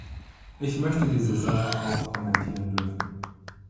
Ich möchte diese Sache auch kommentieren dürfen.